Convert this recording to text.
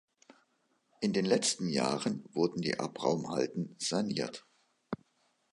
In den letzten Jahren wurden die Abraumhalden saniert.